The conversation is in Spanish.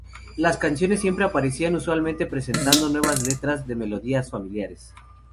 Las canciones siempre aparecían, usualmente presentando nuevas letras de melodías familiares.